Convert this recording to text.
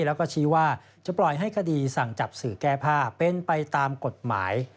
แล้วก็ชี้ว่าจะปล่อยให้คดีสั่งจับสื่อแก้ผ้าเป็นไปตามกฎหมาย